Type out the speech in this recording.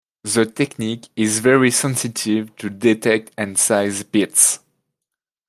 The technique is very sensitive to detect and size pits.